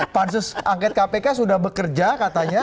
pan sus anget kpk sudah bekerja katanya